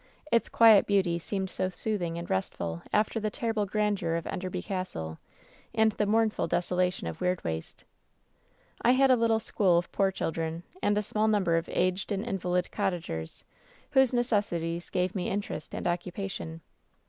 Its quiet beauty seemed so sooth ing and restful after the terrible grandeur of Enderby Castle and the mournful desolation of Weirdwaste. I had a little school of poor children, and a small number of aged and invalid cottagers, whose necessities gave me interest and occupation.